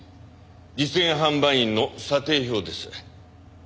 実演販売員の査定表です。